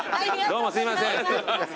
どうもすいません。